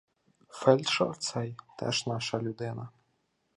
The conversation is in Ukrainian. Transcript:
Фельдшер цей — теж наша людина.